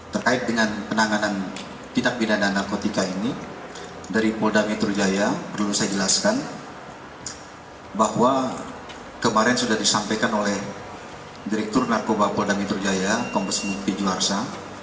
terkait dengan penanganan titak bidana narkotika ini dari polda mitrujaya perlu saya jelaskan bahwa kemarin sudah disampaikan oleh direktur narkoba polda mitrujaya kompes muti juarsa